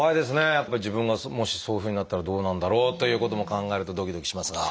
やっぱり自分がもしそういうふうになったらどうなんだろうということも考えるとドキドキしますが。